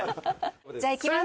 じゃいきます。